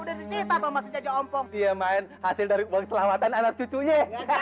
dicipta thomas saja omfong dia main hasil dari uang selawatan anak cucunya